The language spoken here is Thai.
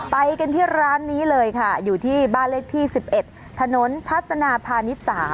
ไปกันที่ร้านนี้เลยค่ะอยู่ที่บ้านเลขที่๑๑ถนนทัศนาพาณิชย์๓